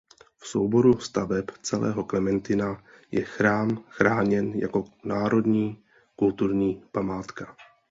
V souboru staveb celého Klementina je chrám chráněn jako národní kulturní památka.